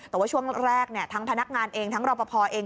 แต่ว่าช่วงแรกทั้งพนักงานเองทั้งรอปภเอง